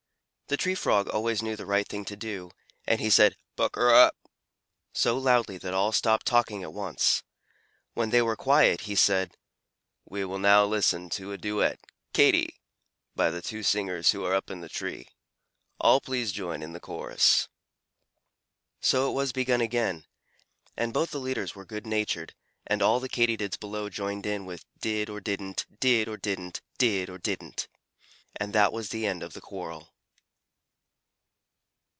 The Tree Frog always knew the right thing to do, and he said "Pukr r rup!" so loudly that all stopped talking at once. When they were quiet he said: "We will now listen to a duet, 'Katy,' by the two singers who are up the tree. All please join in the chorus." So it was begun again, and both the leaders were good natured, and all the Katydids below joined in with "did or didn't, did or didn't, did or didn't." And that was the end of the quarrel.